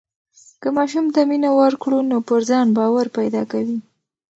که ماشوم ته مینه ورکړو نو پر ځان باور پیدا کوي.